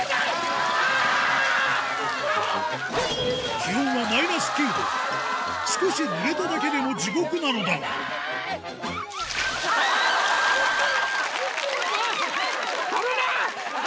気温はマイナス９度少しぬれただけでも地獄なのだがキャ！